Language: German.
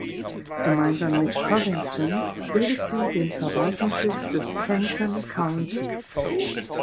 Gemeinsam mit Covington bildet sie den Verwaltungssitz des Kenton County.